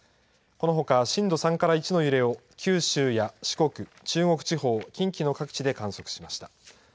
このほか、震度３から１の揺れを九州や四国、中国地方、近畿の各地で観測しました。